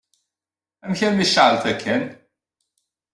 Amek armi tceɛleḍ akken?